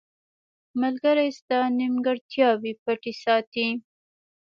• ملګری ستا نیمګړتیاوې پټې ساتي.